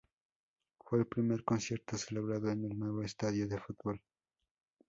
Fue el primer concierto celebrado en el nuevo estadio de fútbol.